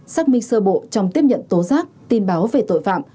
xác minh sơ bộ trong tiếp nhận tố giác tin báo về tội phạm